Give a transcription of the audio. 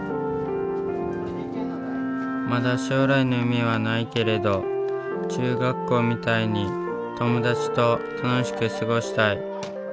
まだ将来の夢はないけれど中学校みたいに友達と楽しく過ごしたい。